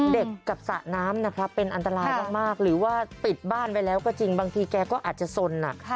กับสระน้ำนะครับเป็นอันตรายมากหรือว่าปิดบ้านไปแล้วก็จริงบางทีแกก็อาจจะสนหนัก